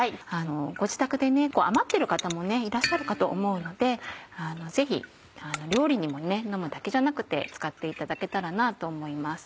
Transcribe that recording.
ご自宅で余っている方もいらっしゃるかと思うのでぜひ料理にも飲むだけじゃなくて使っていただけたらなと思います。